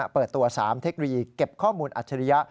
เปิดตัว๓เทคโนโลยีเก็บข้อมูลอัจฉริยะ